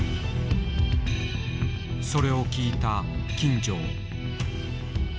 それを聞いた金城。